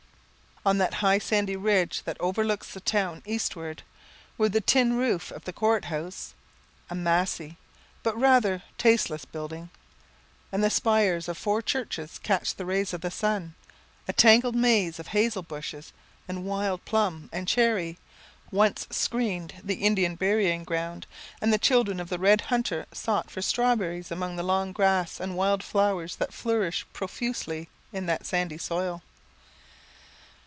On that high sandy ridge that overlooks the town eastward where the tin roof of the Court House, a massy, but rather tasteless building, and the spires of four churches catch the rays of the sun a tangled maze of hazel bushes, and wild plum and cherry, once screened the Indian burying ground, and the children of the red hunter sought for strawberries among the long grass and wild flowers that flourish profusely in that sandy soil.